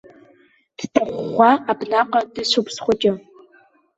Дҭахәхәа абнаҟа дыцәоуп схәыҷы.